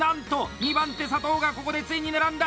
２番手佐藤がここでついに並んだ！